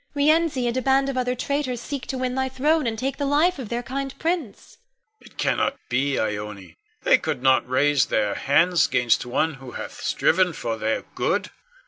Rienzi, and a band of other traitors, seek to win thy throne and take the life of their kind prince. Con. It cannot be, Ione! They could not raise their hands 'gainst one who hath striven for their good.